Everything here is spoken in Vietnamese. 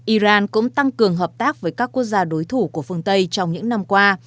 iran cũng tăng cường hợp tác với các quốc gia đối thủ của phương tây trong những năm qua